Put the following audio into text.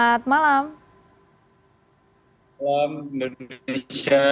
selamat malam indonesia